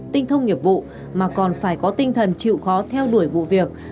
tinh thông nghiệp vụ mà còn phải có tinh thần chịu khó theo đuổi vụ việc